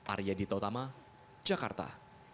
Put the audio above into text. arya dita utama jakarta